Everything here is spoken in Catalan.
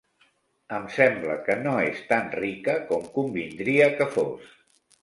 Em sembla que no és tan rica com convindria que fos.